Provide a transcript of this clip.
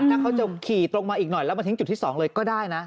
ถ้าเขาจะขี่ตรงมาอีกหน่อยแล้วมาทิ้งจุดที่๒เลยก็ได้นะ